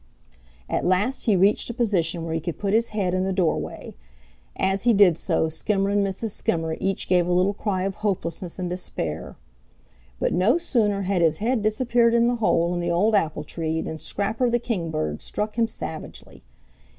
At last he reached a position where he could put his head in the doorway. As he did so, Skimmer and Mrs. Skimmer each gave a little cry of hopelessness and despair. But no sooner had his head disappeared in the hole in the old apple tree than Scrapper the Kingbird struck him savagely.